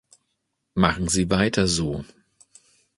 Machen Sie weiter so.